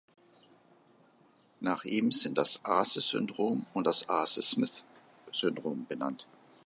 Nach ihm sind das Aase-Syndrom und das Aase-Smith-Syndrom benannt.